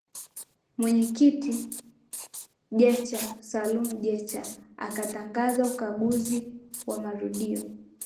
Mwenyekiti Jecha Salum Jecha akatangaza uchaguzi wa marudio